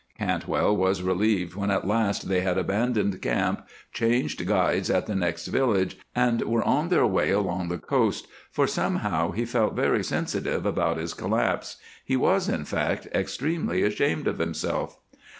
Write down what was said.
Cantwell was relieved when at last they had abandoned camp, changed guides at the next village, and were on their way along the coast, for somehow he felt very sensitive about his collapse. He was, in fact, extremely ashamed of himself.